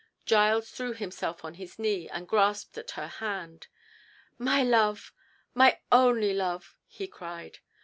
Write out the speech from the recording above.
Giles threw himself on his knee and grasped at her hand. "My love!—my only love!" he cried.